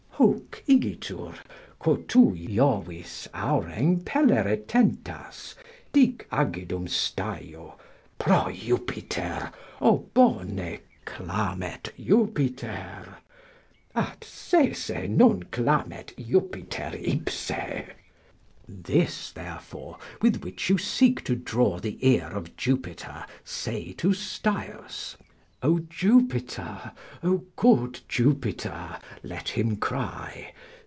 "Hoc igitur, quo to Jovis aurem impellere tentas, Dic agedum Staio: 'proh Jupiter! O bone, clamet, Jupiter!' At sese non clamet Jupiter ipse." ["This therefore, with which you seek to draw the ear of Jupiter, say to Staius. 'O Jupiter! O good Jupiter!' let him cry.